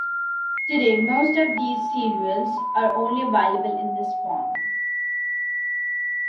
Today, most of these serials are only available in this form.